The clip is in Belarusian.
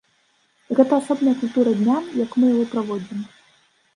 Гэта асобная культура дня, як мы яго праводзім.